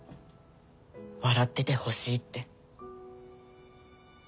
笑っててほしいって。